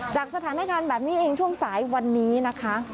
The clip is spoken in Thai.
จากสถานการณ์แบบนี้เองช่วงสายวันนี้นะคะ